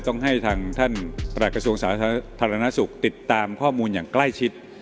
ต้องให้ทางท่านประหลักกระทรวงสาธารณสุขติดตามข้อมูลอย่างใกล้ชิด